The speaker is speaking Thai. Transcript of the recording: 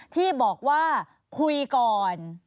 ที่บอกว่าคุยก่อน